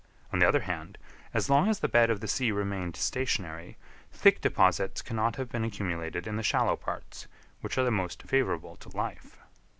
On the other hand, as long as the bed of the sea remained stationary, thick deposits cannot have been accumulated in the shallow parts, which are the most favourable to life.